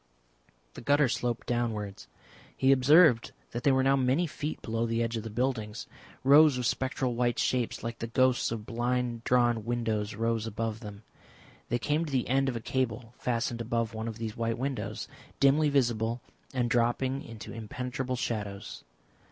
The gutter sloped downwards. He observed that they were now many feet below the edge of the buildings. Rows of spectral white shapes like the ghosts of blind drawn windows rose above them. They came to the end of a cable fastened above one of these white windows, dimly visible and dropping into impenetrable shadows.